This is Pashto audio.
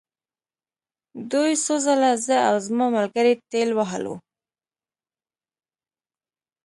دوی څو ځله زه او زما ملګري ټېل وهلو